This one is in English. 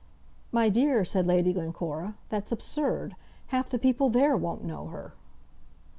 "My dear," said Lady Glencora, "that's absurd. Half the people there won't know her."